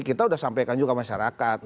kita sudah sampaikan juga masyarakat